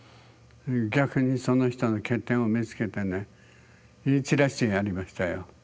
逆にその人の欠点を見つけてね言い散らしてやりましたよ。